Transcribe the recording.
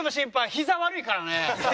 膝悪いからね。